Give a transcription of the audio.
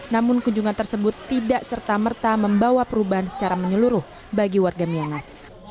namun kunjungan tersebut tidak serta merta membawa perubahan secara menyeluruh bagi warga miangas